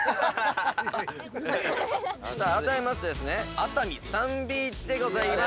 あらためましてですね熱海サンビーチでございます。